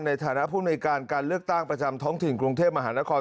ในฐานะผู้ในการการเลือกตั้งประจำท้องถิ่นกรุงเทพมหานคร